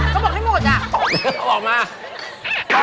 เขาบอกให้หมดอ่ะ